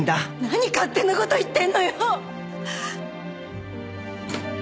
何勝手な事言ってんのよ！